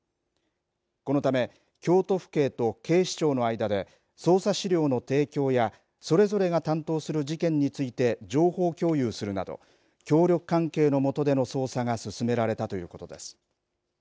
このため京都府警と警視庁の間で捜査資料の提供やそれぞれが担当する事件について情報共有するなど協力関係のもとでの捜査が進められたということです。